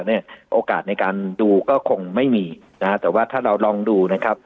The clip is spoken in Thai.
เนี่ยโอกาสในการดูก็คงไม่มีนะฮะแต่ว่าถ้าเราลองดูนะครับ